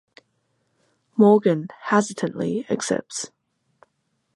Morgan hesitantly accepts.